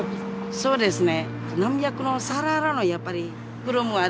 そうですね。